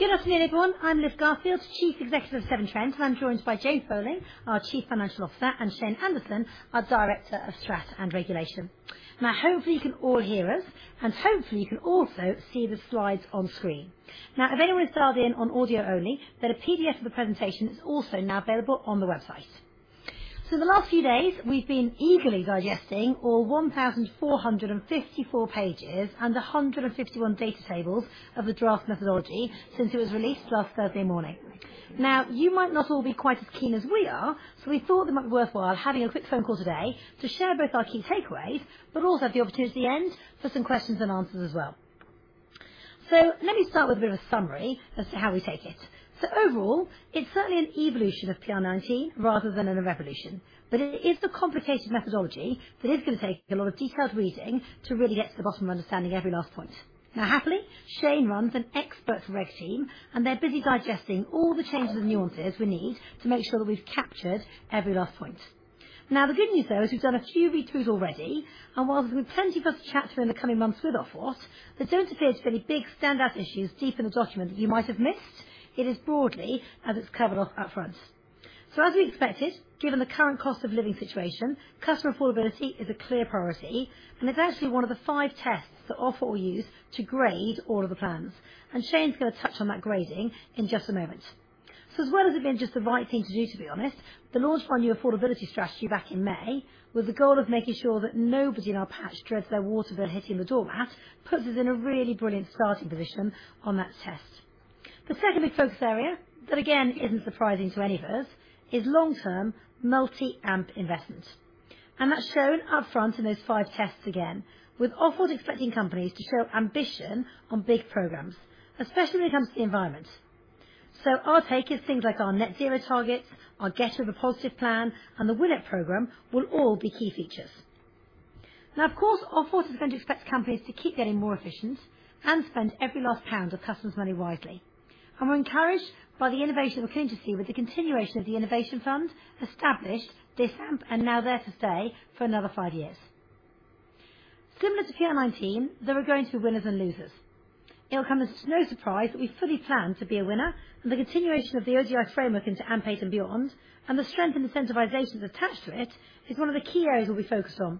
Good afternoon, everyone. I'm Liv Garfield, Chief Executive of Severn Trent, and I'm joined by James Bowling, our Chief Financial Officer, and Shane Anderson, our Director of Strategy and Regulation. Now, hopefully, you can all hear us, and hopefully, you can also see the Slides on screen. Now, if anyone has dialed in on audio only, then a PDF of the presentation is also now available on the website. The last few days we've been eagerly digesting all 1,454 pages and 151 data tables of the draft methodology since it was released last Thursday morning. Now, you might not all be quite as keen as we are, so we thought it might be worthwhile having a quick phone call today to share both our key takeaways, but also have the opportunity at the end for some questions and answers as well. Let me start with a bit of a summary as to how we take it. Overall, it's certainly an evolution of PR19 rather than a revolution, but it is the complicated methodology that is gonna take a lot of detailed reading to really get to the bottom of understanding every last point. Now, happily, Shane runs an expert reg team, and they're busy digesting all the changes and nuances we need to make sure that we've captured every last point. Now, the good news, though, is we've done a few read-throughs already, and while there's been plenty for us to chat through in the coming months with Ofwat, there don't appear to be any big standout issues deep in the document that you might have missed. It is broadly as it's covered off upfront. As we expected, given the current cost of living situation, customer affordability is a clear priority and is actually one of the five tests that Ofwat will use to grade all of the plans. Shane's gonna touch on that grading in just a moment. As well as it being just the right thing to do, to be honest, the launch of our new affordability strategy back in May, with the goal of making sure that nobody in our patch dreads their water bill hitting the doormat, puts us in a really brilliant starting position on that test. The second big focus area that, again, isn't surprising to any of us is long-term multi-AMP investment. That's shown up front in those five tests again, with Ofwat expecting companies to show ambition on big programs, especially when it comes to the environment. Our take is things like our net zero targets, our Get River Positive plan, and the WINEP program will all be key features. Now, of course, Ofwat is going to expect companies to keep getting more efficient and spend every last pound of customers' money wisely. We're encouraged by the innovation we're going to see with the continuation of the Innovation Fund established this AMP and now there to stay for another five years. Similar to PR19, there are going to be winners and losers. It'll come as no surprise that we fully plan to be a winner, and the continuation of the ODI framework into AMP8 and beyond, and the strength and incentivization attached to it is one of the key areas that we focus on,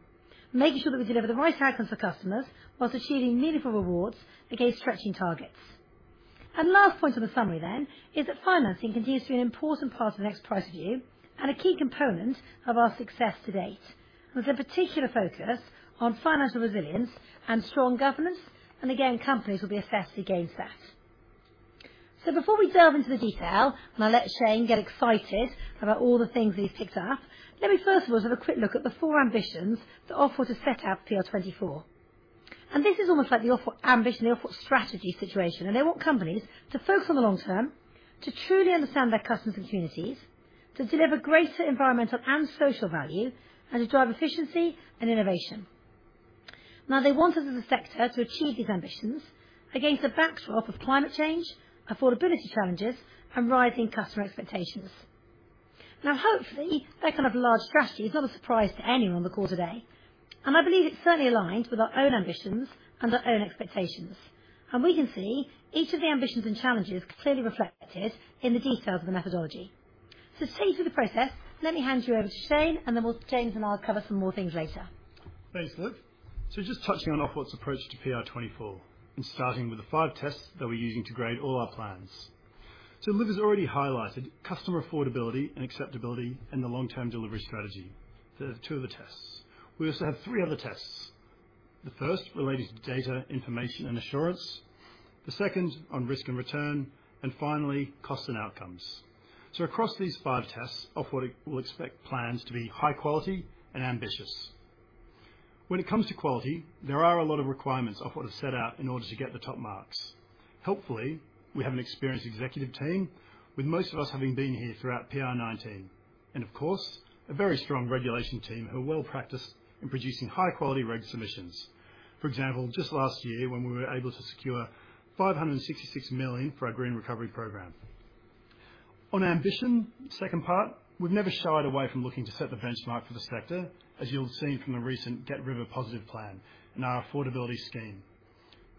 making sure that we deliver the right outcomes for customers while achieving meaningful rewards against stretching targets. Last point of the summary then is that financing continues to be an important part of the next price review and a key component of our success to date, with a particular focus on financial resilience and strong governance. Again, companies will be assessed against that. Before we delve into the detail, and I let Shane get excited about all the things he's picked up, let me first of all just have a quick look at the four ambitions that Ofwat has set out for PR24. This is almost like the Ofwat ambition, the Ofwat strategy situation. They want companies to focus on the long term, to truly understand their customers and communities, to deliver greater environmental and social value, and to drive efficiency and innovation. Now, they want us as a sector to achieve these ambitions against a backdrop of climate change, affordability challenges, and rising customer expectations. Now, hopefully, their kind of large strategy is not a surprise to anyone on the call today, and I believe it's certainly aligned with our own ambitions and our own expectations. We can see each of the ambitions and challenges clearly reflected in the details of the methodology. To see through the process, let me hand you over to Shane, and then James and I will cover some more things later. Thanks, Liv. Just touching on Ofwat's approach to PR24 and starting with the five tests that we're using to grade all our plans. Liv has already highlighted customer affordability and acceptability and the long-term delivery strategy. They're two of the tests. We also have three other tests. The first relating to data information and assurance, the second on risk and return, and finally, costs and outcomes. Across these five tests, Ofwat will expect plans to be high quality and ambitious. When it comes to quality, there are a lot of requirements Ofwat has set out in order to get the top marks. Helpfully, we have an experienced executive team, with most of us having been here throughout PR19 and, of course, a very strong regulation team who are well-practiced in producing high-quality reg submissions. For example, just last year when we were able to secure 566 million for our green recovery program. On ambition, second part, we've never shied away from looking to set the benchmark for the sector, as you'll have seen from the recent Get River Positive plan and our affordability scheme.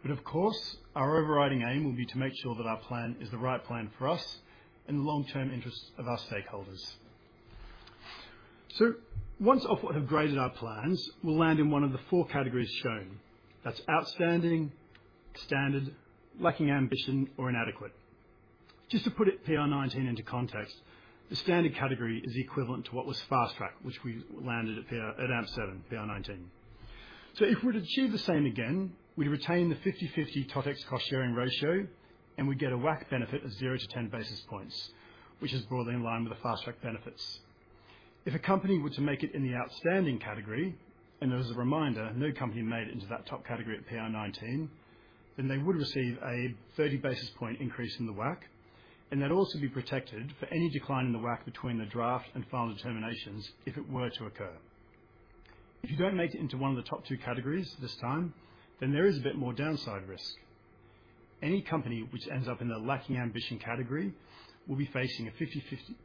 Of course, our overriding aim will be to make sure that our plan is the right plan for us in the long-term interests of our stakeholders. Once Ofwat have graded our plans, we'll land in one of the four categories shown. That's outstanding, standard, lacking ambition, or inadequate. Just to put it PR19 into context, the standard category is equivalent to what was fast track, which we landed at AMP7, PR19. If we're to achieve the same again, we retain the 50-50 Totex cost-sharing ratio, and we get a WACC benefit of 0-10 basis points, which is broadly in line with the fast track benefits. If a company were to make it in the outstanding category, and as a reminder, no company made it into that top category at PR19, then they would receive a 30 basis point increase in the WACC, and they'd also be protected for any decline in the WACC between the draft and final determinations if it were to occur. If you don't make it into one of the top two categories this time, then there is a bit more downside risk. Any company which ends up in the lacking ambition category will be facing a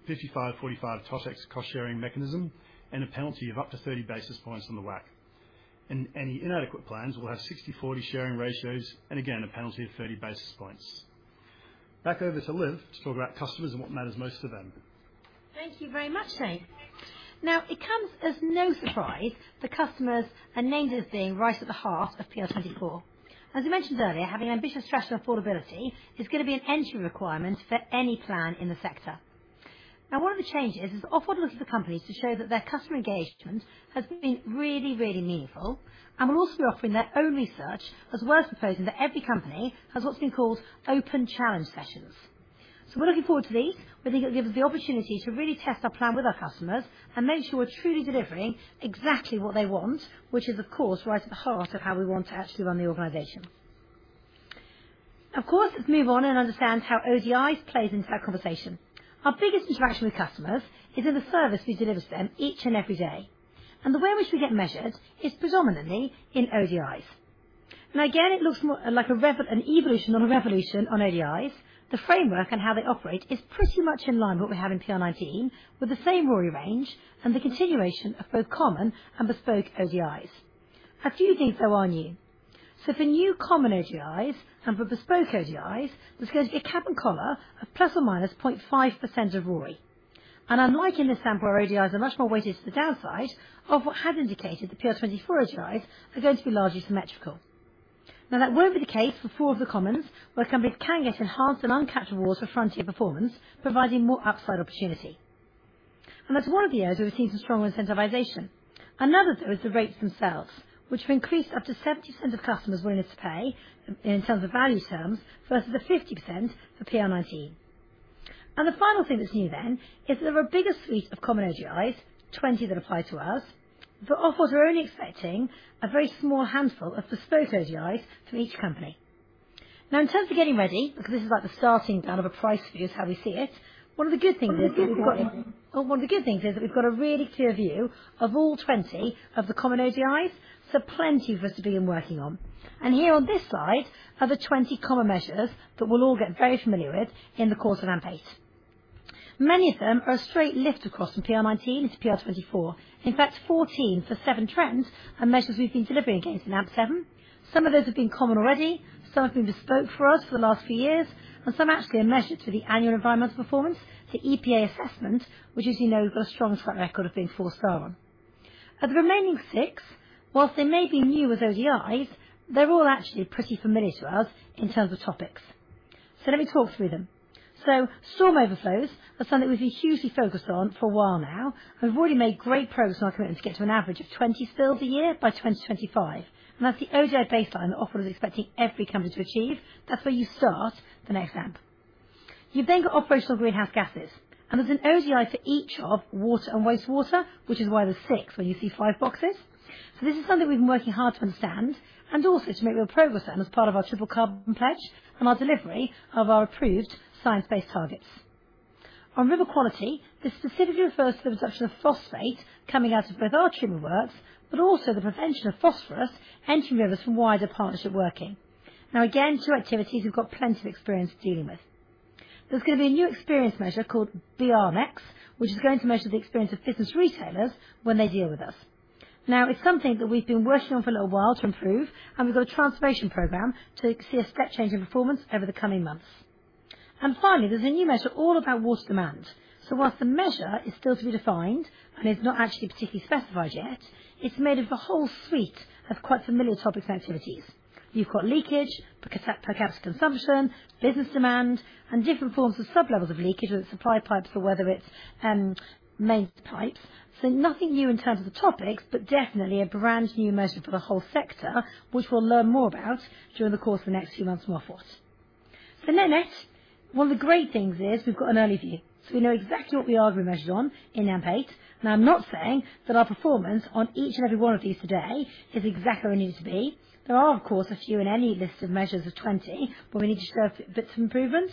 55-45 Totex cost-sharing mechanism and a penalty of up to 30 basis points on the WACC. Any inadequate plans will have 60-40 sharing ratios, and again, a penalty of 30 basis points. Back over to Liv to talk about customers and what matters most to them. Thank you very much, Shane. Now, it comes as no surprise that customers are named as being right at the heart of PR24. As we mentioned earlier, having ambitious stretch and affordability is gonna be an entry requirement for any plan in the sector. Now, one of the changes is Ofwat looks at the companies to show that their customer engagement has been really, really meaningful, and we're also offering their own research, as well as proposing that every company has what's been called open challenge sessions. We're looking forward to these. We think it'll give us the opportunity to really test our plan with our customers and make sure we're truly delivering exactly what they want, which is, of course, right at the heart of how we want to actually run the organization. Of course, let's move on and understand how ODIs plays into that conversation. Our biggest interaction with customers is in the service we deliver to them each and every day. The way in which we get measured is predominantly in ODIs. Now, again, it looks more like an evolution, not a revolution on ODIs. The framework and how they operate is pretty much in line with what we have in PR19, with the same RoRE range and the continuation of both common and bespoke ODIs. A few things, though, are new. For new common ODIs and for bespoke ODIs, there's going to be a cap and collar of ±0.5% of RoRE. Unlike in the sample where ODIs are much more weighted to the downside than what had indicated the PR24 ODIs are going to be largely symmetrical. Now, that won't be the case for 4 of the commons, where companies can get enhanced and uncapturable awards for frontier performance, providing more upside opportunity. That's one of the areas where we've seen some strong incentivization. Another though is the rates themselves, which have increased up to 70% of customers' willingness to pay in terms of value terms, versus the 50% for PR19. The final thing that's new then is that there are a bigger suite of common ODIs, 20 that apply to us, but Ofwat are only expecting a very small handful of bespoke ODIs for each company. Now in terms of getting ready, because this is like the starting gun of a price review is how we see it, one of the good things is that we've got a really clear view of all 20 of the common ODIs, so plenty for us to begin working on. Here on this Slide are the 20 common measures that we'll all get very familiar with in the course of AMP8. Many of them are a straight lift across from PR19 to PR24. In fact, 14, so 7 trends and measures we've been delivering against in AMP7. Some of those have been common already, some have been bespoke for us for the last few years, and some actually are measured through the Annual Environmental Performance, the EPA assessment, which, as you know, we've got a strong track record of being four-star on. Of the remaining six, while they may be new as ODIs, they're all actually pretty familiar to us in terms of topics. Let me talk through them. Storm overflows are something we've been hugely focused on for a while now. We've already made great progress on our commitment to get to an average of 20 spills a year by 2025, and that's the ODI baseline that Ofwat is expecting every company to achieve. That's where you start the next AMP. You've then got operational greenhouse gases, and there's an ODI for each of water and wastewater, which is why there's six where you see five boxes. This is something we've been working hard to understand and also to make real progress on as part of our triple carbon pledge and our delivery of our approved science-based targets. On river quality, this specifically refers to the reduction of phosphate coming out of both our treatment works, but also the prevention of phosphorus entering rivers from wider partnership working. Now again, two activities we've got plenty of experience dealing with. There's gonna be a new experience measure called BR-MeX, which is going to measure the experience of business retailers when they deal with us. Now, it's something that we've been working on for a little while to improve, and we've got a transformation program to see a step change in performance over the coming months. Finally, there's a new measure all about water demand. While the measure is still to be defined and is not actually particularly specified yet, it's made of a whole suite of quite familiar topics and activities. You've got leakage, per capita consumption, business demand, and different forms of sublevels of leakage, whether it's supply pipes or whether it's main pipes. Nothing new in terms of the topics, but definitely a brand-new measure for the whole sector, which we'll learn more about during the course of the next few months from Ofwat. Net net, one of the great things is we've got an early view, so we know exactly what we are going to be measured on in AMP8. Now, I'm not saying that our performance on each and every one of these today is exactly where it needs to be. There are, of course, a few in any list of measures of 20 where we need to show a bit of improvement.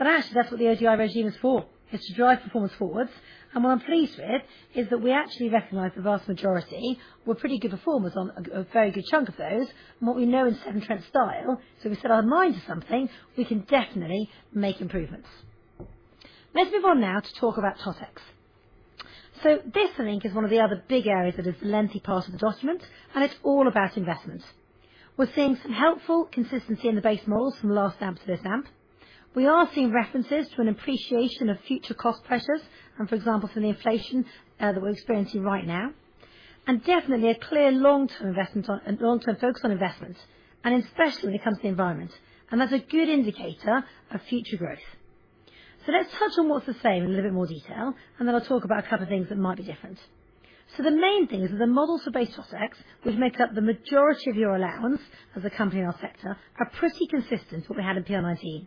Actually that's what the ODI regime is for, is to drive performance forwards. What I'm pleased with is that we actually recognize the vast majority were pretty good performers on a very good chunk of those. What we know in Severn Trent style, so we set our mind to something, we can definitely make improvements. Let's move on now to talk about Totex. This I think is one of the other big areas that is a lengthy part of the document, and it's all about investments. We're seeing some helpful consistency in the base models from the last AMP to this AMP. We are seeing references to an appreciation of future cost pressures and, for example, from the inflation that we're experiencing right now. Definitely a clear long-term focus on investments, and especially when it comes to the environment, and that's a good indicator of future growth. Let's touch on what's the same in a little bit more detail, and then I'll talk about a couple of things that might be different. The main thing is that the models for base Totex, which makes up the majority of your allowance as a company in our sector, are pretty consistent to what we had in PR19.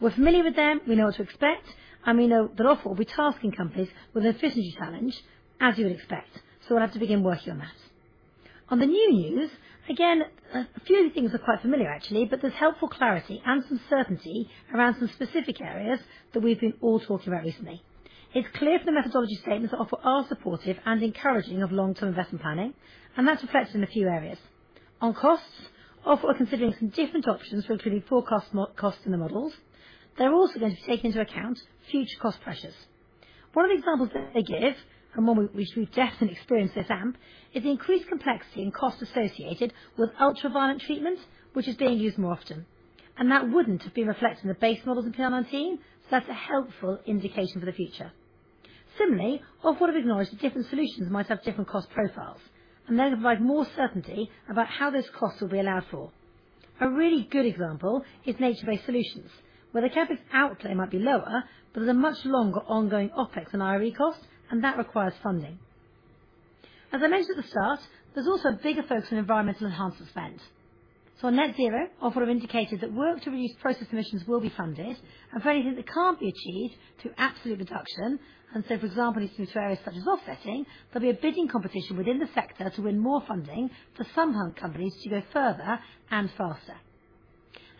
We're familiar with them, we know what to expect, and we know that Ofwat will be tasking companies with efficiency challenge, as you would expect. We'll have to begin working on that. On the new news, again, a few of the things are quite familiar actually, but there's helpful clarity and some certainty around some specific areas that we've been all talking about recently. It's clear from the methodology statements that Ofwat are supportive and encouraging of long-term investment planning, and that's reflected in a few areas. On costs, Ofwat are considering some different options for including forecast OpEx costs in the models. They're also going to take into account future cost pressures. One of the examples that they give, and one which we've definitely experienced at AMP, is the increased complexity and cost associated with ultraviolet treatment, which is being used more often. That wouldn't have been reflected in the base models in PR19, so that's a helpful indication for the future. Similarly, Ofwat have acknowledged that different solutions might have different cost profiles, and they provide more certainty about how those costs will be allowed for. A really good example is nature-based solutions, where the CapEx outlay might be lower, but there's a much longer ongoing OpEx and IRE cost, and that requires funding. As I mentioned at the start, there's also a bigger focus on environmental enhancement spend. Net zero, Ofwat have indicated that work to reduce process emissions will be funded, and for anything that can't be achieved through absolute reduction, and so, for example, needs to be through areas such as offsetting, there'll be a bidding competition within the sector to win more funding for some companies to go further and faster.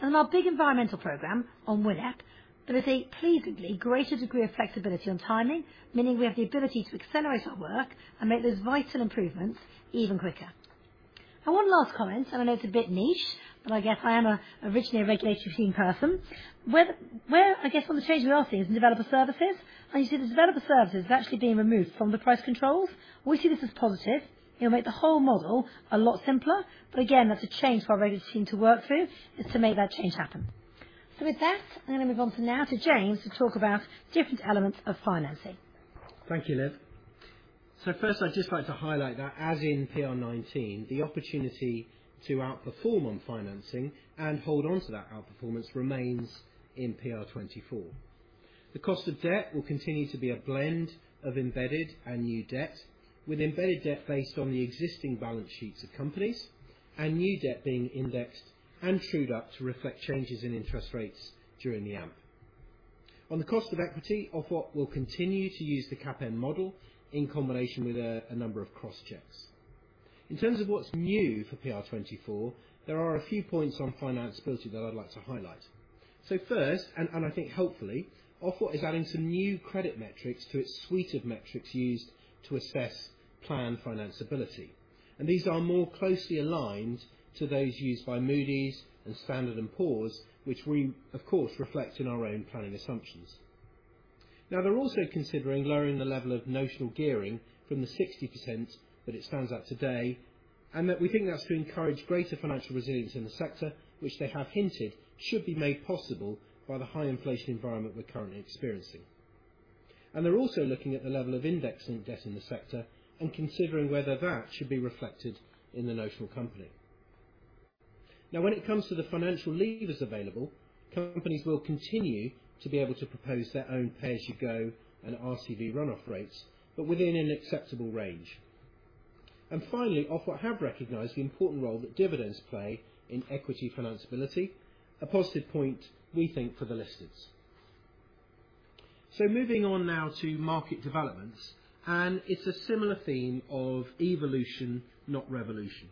In our big environmental program on WINEP, there is a pleasingly greater degree of flexibility on timing, meaning we have the ability to accelerate our work and make those vital improvements even quicker. One last comment, and I know it's a bit niche, but I guess I am originally a regulatory team person. Where I guess one of the changes we are seeing is in developer services, and you see the developer services is actually being removed from the price controls. We see this as positive. It'll make the whole model a lot simpler, but again, that's a change for our regulatory team to work through is to make that change happen. With that, I'm gonna move on for now to James to talk about different elements of financing. Thank you, Liv. First, I'd just like to highlight that, as in PR19, the opportunity to outperform on financing and hold on to that outperformance remains in PR24. The cost of debt will continue to be a blend of embedded and new debt, with embedded debt based on the existing balance sheets of companies and new debt being indexed and trued up to reflect changes in interest rates during the AMP. On the cost of equity, Ofwat will continue to use the CAPM model in combination with a number of cross-checks. In terms of what's new for PR24, there are a few points on financeability that I'd like to highlight. First, and I think helpfully, Ofwat is adding some new credit metrics to its suite of metrics used to assess plan financeability. These are more closely aligned to those used by Moody's and Standard & Poor's, which we of course reflect in our own planning assumptions. They're also considering lowering the level of notional gearing from the 60% that it stands at today, and that we think that's to encourage greater financial resilience in the sector, which they have hinted should be made possible by the high inflation environment we're currently experiencing. They're also looking at the level of indexing debt in the sector and considering whether that should be reflected in the notional company. When it comes to the financial levers available, companies will continue to be able to propose their own pay as you go and RCV run off rates, but within an acceptable range. Finally, Ofwat have recognized the important role that dividends play in equity financeability, a positive point we think for the listings. Moving on now to market developments, and it's a similar theme of evolution, not revolution.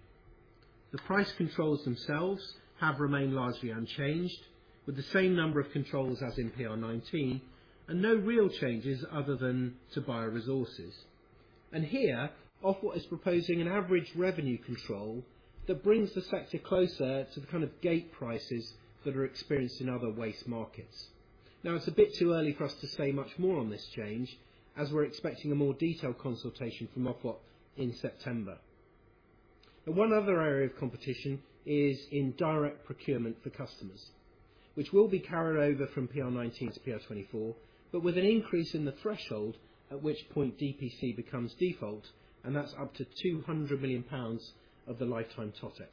The price controls themselves have remained largely unchanged, with the same number of controls as in PR19, and no real changes other than to bioresources. Here, Ofwat is proposing an average revenue control that brings the sector closer to the kind of gate prices that are experienced in other waste markets. Now, it's a bit too early for us to say much more on this change, as we're expecting a more detailed consultation from Ofwat in September. One other area of competition is in Direct Procurement for Customers, which will be carried over from PR19 to PR24, but with an increase in the threshold, at which point DPC becomes default, and that's up to 200 million pounds of the lifetime Totex.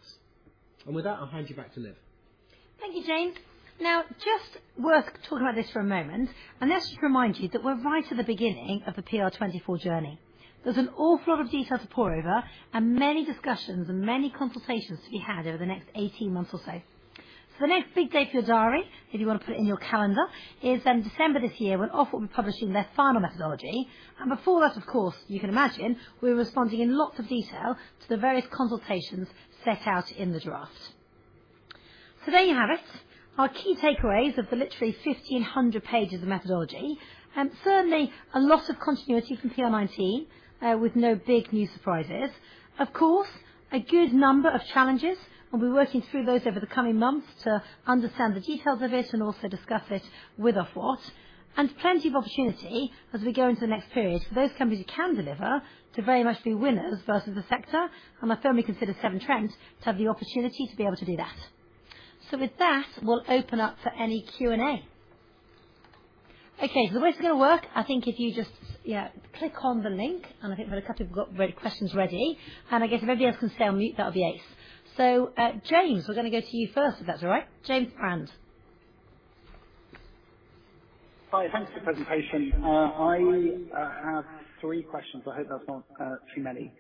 With that, I'll hand you back to Liv. Thank you, James. Now, just worth talking about this for a moment, and let's just remind you that we're right at the beginning of the PR24 journey. There's an awful lot of detail to pore over and many discussions and many consultations to be had over the next 18 months or so. The next big date for your diary, if you wanna put it in your calendar, is in December this year, when Ofwat will be publishing their final methodology. Before that, of course, you can imagine, we're responding in lots of detail to the various consultations set out in the draft. There you have it, our key takeaways of the literally 1,500 pages of methodology, certainly a lot of continuity from PR19, with no big new surprises. Of course, a good number of challenges, and we're working through those over the coming months to understand the details of it and also discuss it with Ofwat. Plenty of opportunity as we go into the next period for those companies who can deliver to very much be winners versus the sector, and I firmly consider Severn Trent to have the opportunity to be able to do that. With that, we'll open up for any Q&A. Okay. The way it's gonna work, I think if you just, yeah, click on the link, and I think there are a couple who've got pre-questions ready, and I guess if everybody else can stay on mute, that would be ace. James, we're gonna go to you first, if that's all right. James Brand. Hi. Thanks for the presentation. I have three questions. I hope that's not too many.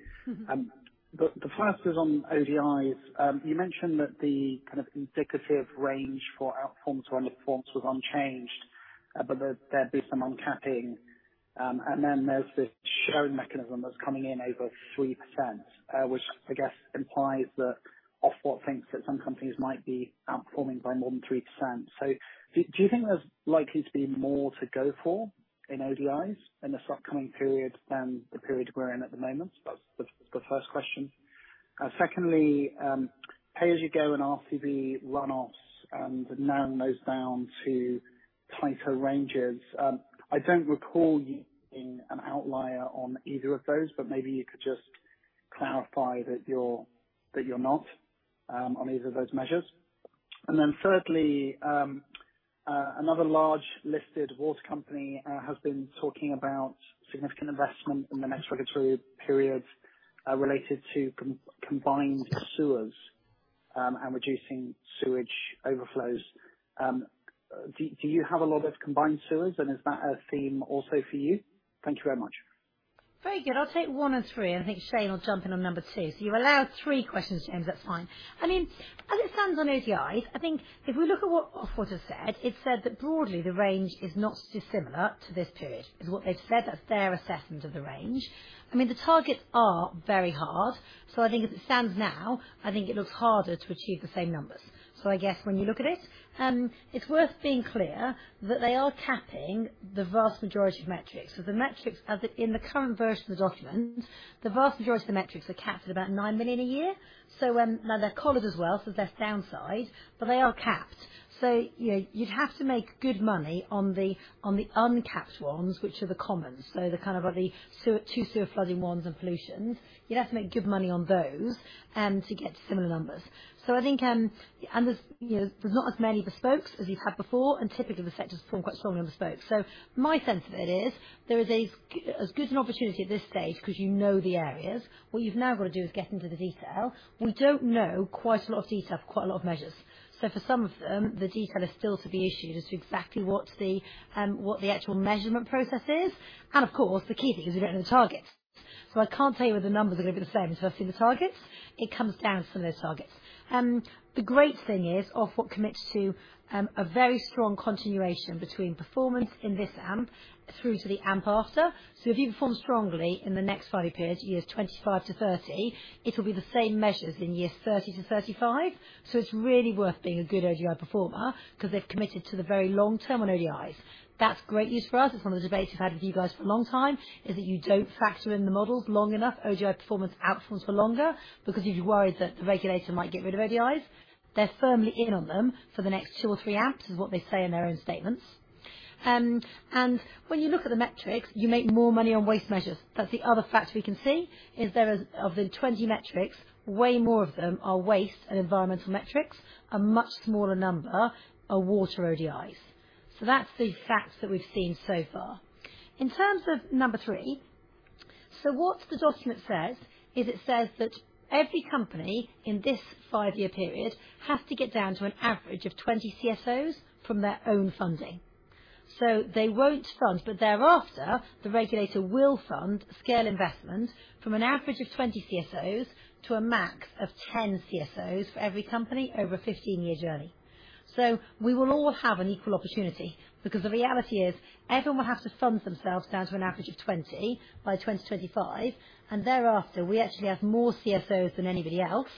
The first is on ODIs. You mentioned that the kind of indicative range for outperformance or underperformance was unchanged, but there'd be some uncapping. And then there's this sharing mechanism that's coming in over 3%, which I guess implies that Ofwat thinks that some companies might be outperforming by more than 3%. Do you think there's likely to be more to go for in ODIs in this upcoming period than the period we're in at the moment? That's the first question. Secondly, pay-as-you-go and RCV run-off, and narrowing those down to tighter ranges. I don't recall you being an outlier on either of those, but maybe you could just clarify that you're not on either of those measures. Then thirdly, another large listed water company has been talking about significant investment in the next regulatory periods, related to combined sewers, and reducing sewage overflows. Do you have a lot of combined sewers and is that a theme also for you? Thank you very much. Very good. I'll take one and three, and I think Shane will jump in on number two. You're allowed three questions, James. That's fine. I mean, as it stands on ODIs, I think if we look at what Ofwat has said, it's said that broadly the range is not dissimilar to this period, is what they've said. That's their assessment of the range. I mean, the targets are very hard, so I think as it stands now, I think it looks harder to achieve the same numbers. I guess when you look at it's worth being clear that they are capping the vast majority of metrics. The metrics in the current version of the document, the vast majority of the metrics are capped at about 9 million a year. Now they're collared as well, so there's downside, but they are capped. You know, you'd have to make good money on the uncapped ones, which are the commons, so the kind of like the sewer-to-sewer flooding ones and pollutions. You'd have to make good money on those to get to similar numbers. I think, and there's, you know, there's not as many bespokes as you've had before, and typically the sector's performed quite strongly on bespoke. My sense of it is, there is as good an opportunity at this stage because you know the areas. What you've now got to do is get into the detail. We don't know quite a lot of detail for quite a lot of measures. For some of them, the detail is still to be issued as to exactly what the what the actual measurement process is. Of course, the key thing is the written targets. I can't tell you whether the numbers are gonna be the same until I've seen the targets. It comes down to those targets. The great thing is Ofwat commits to a very strong continuation between performance in this AMP through to the AMP after. If you perform strongly in the next five-year period, years 2025-2030, it'll be the same measures in years 2030-2035. It's really worth being a good ODI performer because they've committed to the very long term on ODIs. That's great news for us. It's one of the debates we've had with you guys for a long time, is that you don't factor in the models long enough. ODI performance outcomes for longer, because you'd be worried that the regulator might get rid of ODIs. They're firmly in on them for the next two or three AMPs, is what they say in their own statements. When you look at the metrics, you make more money on waste measures. That's the other factor we can see, is there is of the 20 metrics, way more of them are waste and environmental metrics. A much smaller number are water ODIs. That's the facts that we've seen so far. In terms of number three, what the document says is it says that every company in this five-year period has to get down to an average of 20 CSOs from their own funding. They won't fund, but thereafter the regulator will fund scale investment from an average of 20 CSOs to a max of 10 CSOs for every company over a 15-year journey. We will all have an equal opportunity because the reality is everyone will have to fund themselves down to an average of 20 by 2025, and thereafter we actually have more CSOs than anybody else.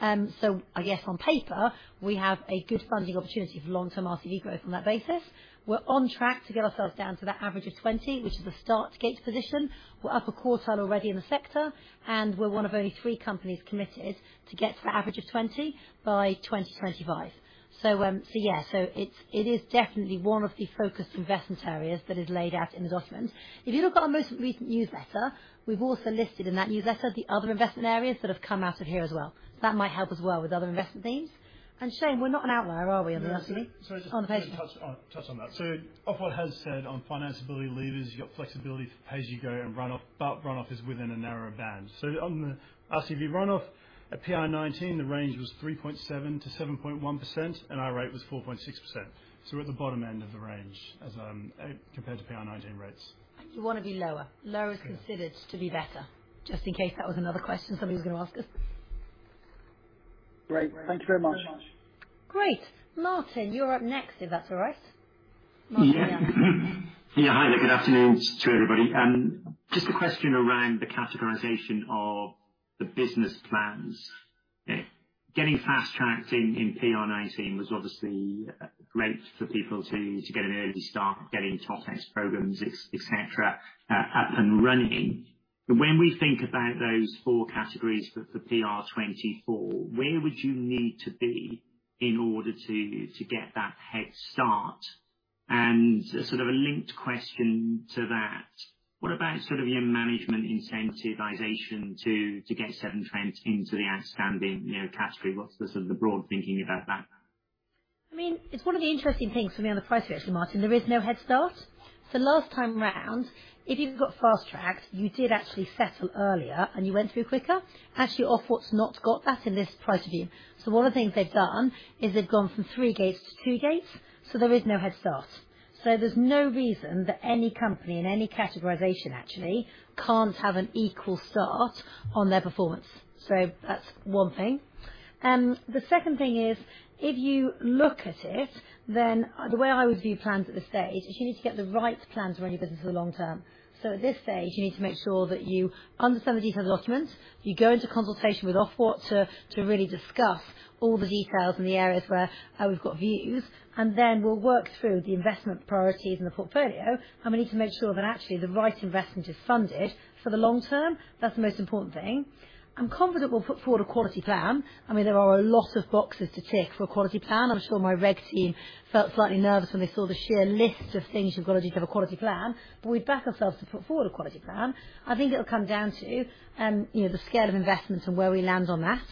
I guess on paper we have a good funding opportunity for long-term RCV growth on that basis. We're on track to get ourselves down to that average of 20, which is a starting gate position. We're upper quartile already in the sector, and we're one of only three companies committed to get to the average of 20 by 2025. It is definitely one of the focused investment areas that is laid out in the document. If you look at our most recent newsletter, we've also listed in that newsletter the other investment areas that have come out of here as well. That might help as well with other investment themes. Shane, we're not an outlier, are we, on the RCV? No, sorry. On the patient. Sorry, just wanna touch on that. of what has said on financeability leaders, you've got flexibility for pay as you go and run-off, but run-off is within a narrower band. On the RCV run-off at PR19 the range was 3.7%-7.1%, and our rate was 4.6%. We're at the bottom end of the range as compared to PR19 rates. You wanna be lower. Yeah. Lower is considered to be better, just in case that was another question somebody was gonna ask us. Great. Thank you very much. Great. Martin, you're up next, if that's all right. Martin Young. Yeah. Hi there. Good afternoon to everybody. Just a question around the categorization of the business plans. Getting fast-tracked in PR19 was obviously great for people to get an early start, getting Totex programs, etc., up and running. When we think about those four categories for PR24, where would you need to be in order to get that head start? And sort of a linked question to that, what about sort of your management incentivization to get Severn Trent into the outstanding, you know, category? What's the sort of the broad thinking about that? I mean, it's one of the interesting things from the other price review. Actually, Martin, there is no head start. Last time round, if you've got fast-tracked, you did actually settle earlier and you went through quicker. Actually, Ofwat's not got that in this price review. One of the things they've done is they've gone from three gates to two gates, so there is no head start. There's no reason that any company in any categorization actually can't have an equal start on their performance. That's one thing. The second thing is, if you look at it, then, the way I would view plans at this stage is you need to get the right plans to run your business for the long term. At this stage, you need to make sure that you understand the detail of the document, you go into consultation with Ofwat to really discuss all the details in the areas where we've got views, and then we'll work through the investment priorities in the portfolio. We need to make sure that actually the right investment is funded for the long term. That's the most important thing. I'm confident we'll put forward a quality plan. I mean, there are a lot of boxes to tick for a quality plan. I'm sure my reg team felt slightly nervous when they saw the sheer list of things you've got to do to have a quality plan, but we back ourselves to put forward a quality plan. I think it'll come down to, you know, the scale of investments and where we land on that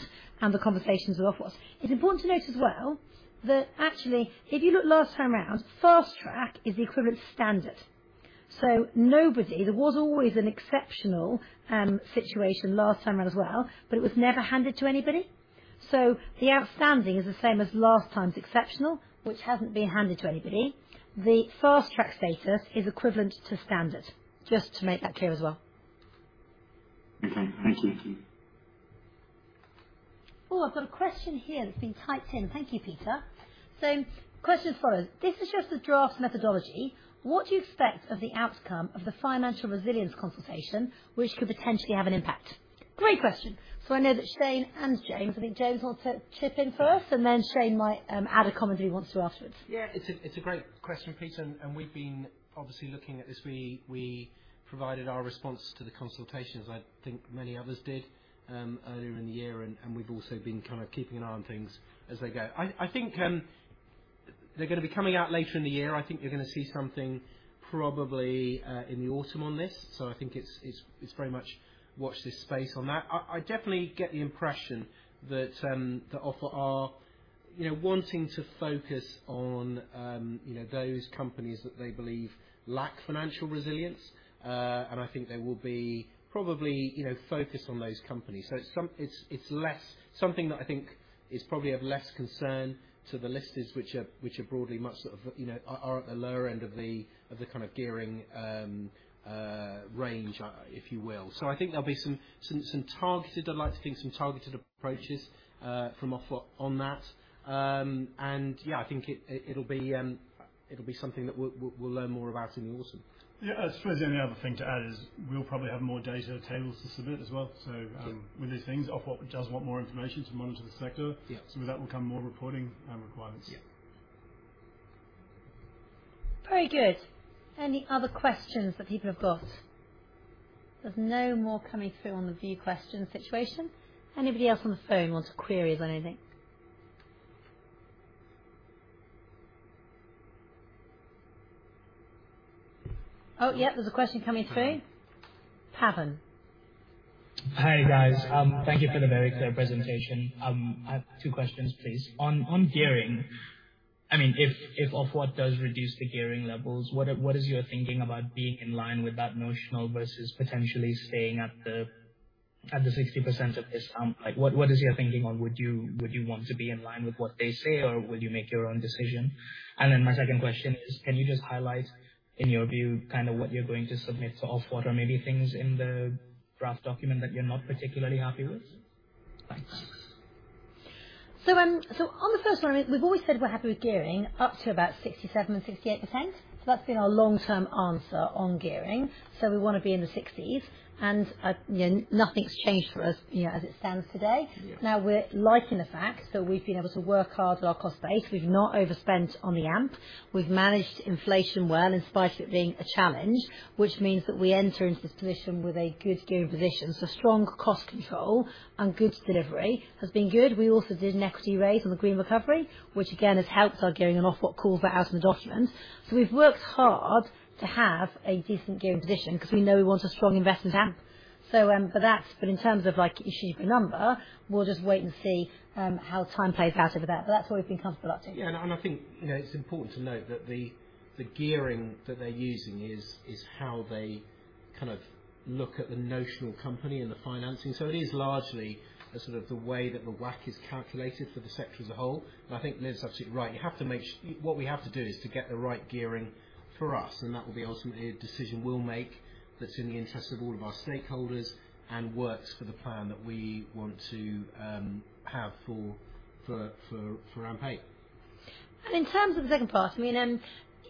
and the conversations with Ofwat. It's important to note as well that actually if you look last time around, fast track is the equivalent standard. So nobody, there was always an exceptional situation last time around as well, but it was never handed to anybody. So the outstanding is the same as last time's exceptional, which hasn't been handed to anybody. The fast-track status is equivalent to standard, just to make that clear as well. Okay. Thank you. Oh, I've got a question here that's been typed in. Thank you, Peter. Question as follows. This is just a draft methodology. What do you expect of the outcome of the financial resilience consultation, which could potentially have an impact? Great question. I know that Shane and James. I think James wants to chip in first, and then Shane might add a comment if he wants to afterwards. Yeah. It's a great question, Peter, and we've been obviously looking at this. We provided our response to the consultation, as I think many others did, earlier in the year, and we've also been kind of keeping an eye on things as they go. I think they're gonna be coming out later in the year. I think you're gonna see something probably in the autumn on this. I think it's very much watch this space on that. I definitely get the impression that Ofwat are, you know, wanting to focus on, you know, those companies that they believe lack financial resilience. And I think they will be probably, you know, focused on those companies. It's some. It's less something that I think is probably of less concern to the lenders which are broadly much sort of, you know, are at the lower end of the kind of gearing range, if you will. I think there'll be some targeted approaches, I'd like to think, from Ofwat on that. Yeah, I think it'll be something that we'll learn more about in the autumn. Yeah. I suppose the only other thing to add is we'll probably have more data tables to submit as well. Yeah. With these things, Ofwat does want more information to monitor the sector. Yeah. with that will come more reporting, requirements. Yeah. Very good. Any other questions that people have got? There's no more coming through on the view question situation. Anybody else on the phone wants queries on anything? Oh, yep, there's a question coming through. Pawan. Hi, guys. Thank you for the very clear presentation. I have two questions, please. On gearing, I mean, if Ofwat does reduce the gearing levels, what is your thinking about being in line with that notional versus potentially staying at the 60% of this? Like what is your thinking on would you want to be in line with what they say or would you make your own decision? Then my second question is, can you just highlight, in your view, kind of what you're going to submit to Ofwat or maybe things in the draft document that you're not particularly happy with? Thanks. On the first one, we've always said we're happy with gearing up to about 67%-68%. That's been our long-term answer on gearing. We wanna be in the 60s and, you know, nothing's changed for us, you know, as it stands today. Yes. Now, we're liking the fact that we've been able to work hard with our cost base. We've not overspent on the AMP. We've managed inflation well, in spite of it being a challenge, which means that we enter into this position with a good gearing position. Strong cost control and good delivery has been good. We also did an equity raise on the green recovery, which again has helped our gearing and Ofwat's call for it in the document. We've worked hard to have a decent gearing position 'cause we know we want a strong investment AMP. In terms of like issuing a number, we'll just wait and see how time plays out over that. That's what we've been comfortable up to. Yeah. I think, you know, it's important to note that the gearing that they're using is how they kind of look at the notional company and the financing. It is largely a sort of the way that the WACC is calculated for the sector as a whole. I think Liv's absolutely right. What we have to do is to get the right gearing for us, and that will be ultimately a decision we'll make that's in the interest of all of our stakeholders and works for the plan that we want to have for AMP8. In terms of the second part, I mean,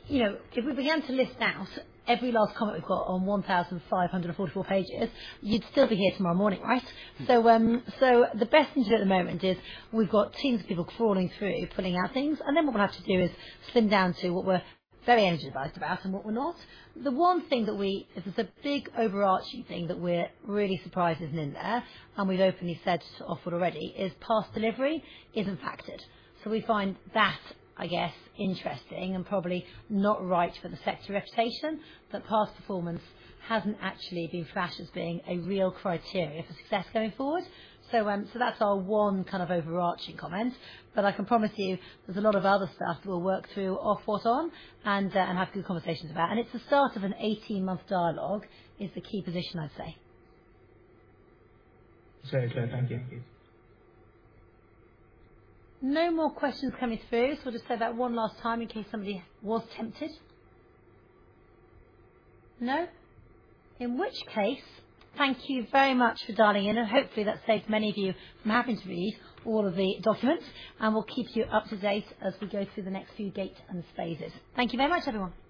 you know, if we began to list out every last comment we've got on 1,544 pages, you'd still be here tomorrow morning, right? The best thing to do at the moment is we've got teams of people crawling through, pulling out things, and then what we'll have to do is slim down to what we're very energized about and what we're not. The one big overarching thing that we're really surprised isn't in there, and we've openly said to Ofwat already, is past delivery isn't factored. We find that, I guess, interesting and probably not right for the sector reputation, that past performance hasn't actually been flagged as being a real criteria for success going forward. That's our one kind of overarching comment, but I can promise you there's a lot of other stuff we'll work through Ofwat on and have good conversations about. It's the start of an 18-month dialogue is the key position, I'd say. Thank you. No more questions coming through. I'll just say that one last time in case somebody was tempted. No? In which case, thank you very much for dialing in, and hopefully, that saves many of you from having to read all of the documents. We'll keep you up to date as we go through the next few dates and phases. Thank you very much, everyone.